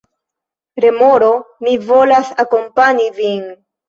Remoro: "Mi volas akompani vin."